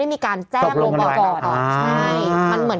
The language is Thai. พี่ขับรถไปเจอแบบ